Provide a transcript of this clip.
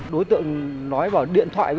đối tượng nói vào điện thoại